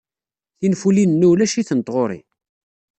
Tinfulin-nni ulac-itent ɣer-i.